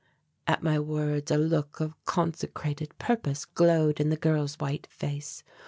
At my words a look of consecrated purpose glowed in the girl's white face.